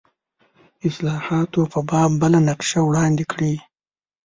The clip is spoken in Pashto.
اصلاحاتو په باب بله نقشه وړاندې کړه.